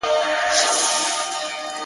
o چي خر نه لرې، خر نه ارزې.